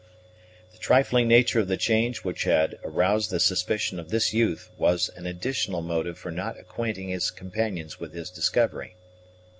The trifling nature of the change which had aroused the suspicion of this youth was an additional motive for not acquainting his companions with his discovery.